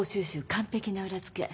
完ぺきな裏付け。